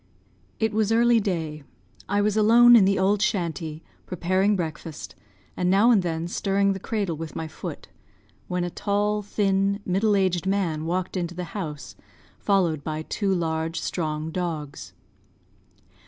It was early day. I was alone in the old shanty, preparing breakfast, and now and then stirring the cradle with my foot, when a tall, thin, middle aged man walked into the house, followed by two large, strong dogs.